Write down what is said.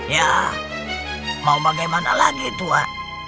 ya mau bagaimana lagi tua